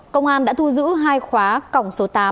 công an đã thu giữ hai khóa còng số tám